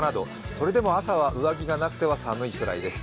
それでも朝は上着がなくては寒いくらいです。